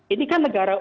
ini kan negara